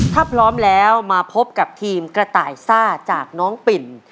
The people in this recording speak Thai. ถ้าพร้อมแล้วมาพบกับทีมกระต่ายซ่าจากน้องปิ่น